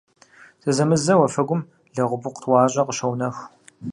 Зэзэмызэ уафэгум лэгъупыкъу тӏуащӏэ къыщоунэху.